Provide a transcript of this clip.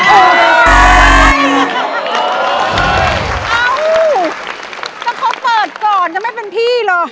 เอ้าถ้าเขาเปิดก่อนจะไม่เป็นพี่เหรอ